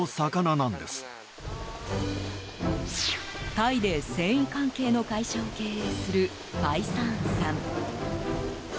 タイで繊維関係の会社を経営するパイサーンさん。